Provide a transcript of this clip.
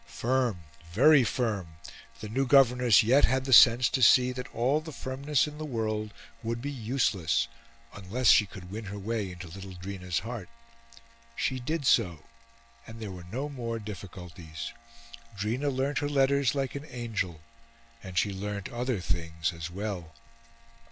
Firm, very firm, the new governess yet had the sense to see that all the firmness in the world would be useless, unless she could win her way into little Drina's heart. She did so, and there were no more difficulties. Drina learnt her letters like an angel; and she learnt other things as well.